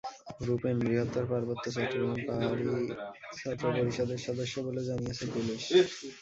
Rufane বৃহত্তর পার্বত্য চট্টগ্রাম পাহাড়ি ছাত্র পরিষদের সদস্য বলে জানিয়েছে পুলিশ।